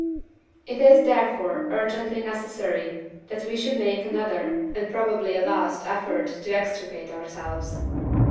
"It is therefore urgently necessary that we should make another, and probably a last, effort to extricate ourselves.